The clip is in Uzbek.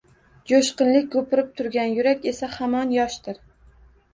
Jo’shqinlik gupurib turgan yurak egasi hamon yoshdir.